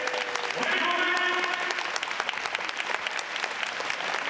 おめでとうございます。